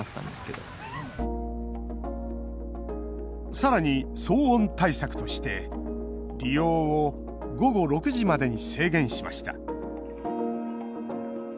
さらに騒音対策として利用を午後６時までに制限しました。